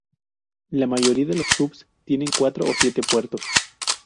La mayoría de los "hubs" tienen cuatro o siete puertos.